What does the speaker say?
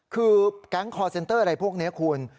คือแก๊งคอร์เซ็นเตอร์อะไรพวกนี้คุณ